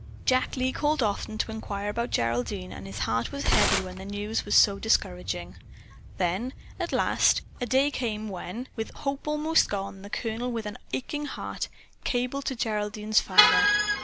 Jack Lee called often to inquire about Geraldine, and his heart was heavy when the news was so discouraging. Then, at last, came a day when, with hope almost gone, the Colonel, with an aching heart, cabled to Geraldine's father.